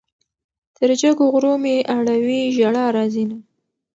تر جګو غرو مې اړوي ژړا راځينه